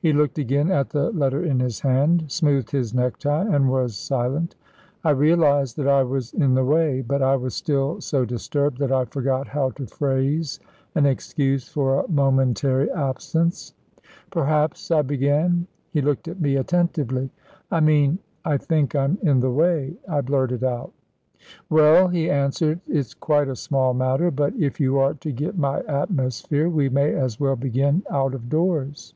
He looked again at the letter in his hand, smoothed his necktie and was silent. I realised that I was in the way, but I was still so disturbed that I forgot how to phrase an excuse for a momentary absence. "Perhaps, ..." I began. He looked at me attentively. "I mean, I think I'm in the way," I blurted out. "Well," he answered, "it's quite a small matter. But, if you are to get my atmosphere, we may as well begin out of doors."